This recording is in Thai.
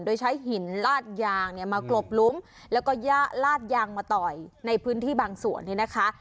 โดยใช้หินลาดยางเนี่ยมากลบหลุมแล้วก็ลาดยางมาต่อยในพื้นที่บางส่วนเนี่ยนะคะ